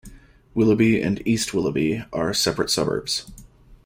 Willoughby and East Willoughby are separate suburbs.